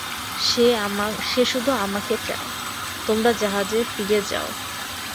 সে শুধু আমাকে চায়, তোমরা জাহাজে ফিরে যাও!